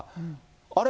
あれ？